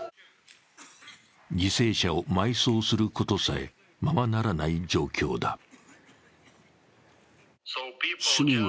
犠牲者を埋葬することさえままならない状況だ。